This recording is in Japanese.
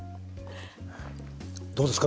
どうですか？